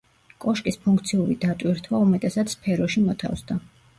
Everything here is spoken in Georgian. კოშკის ფუნქციური დატვირთვა უმეტესად სფეროში მოთავსდა.